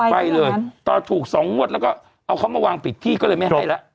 ไปเลยตอนถูก๒งวดแล้วก็เอาเขามาวางปิดที่ก็เลยไม่ให้แล้ว